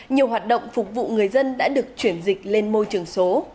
nhiều hoạt động phục vụ người dân đã được chuyển dịch lên môi trường số